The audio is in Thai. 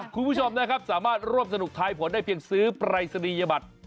คุณผู้ชมนะครับสามารถร่วมสนุกทายผลได้เพียงซื้อปรายศนียบัตร